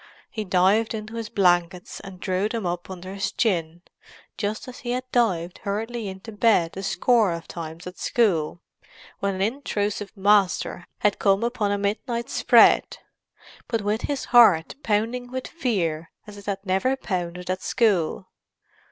He dived into his blankets and drew them up under his chin, just as he had dived hurriedly into bed a score of times at school when an intrusive master had come upon a midnight "spread"; but with his heart pounding with fear as it had never pounded at school.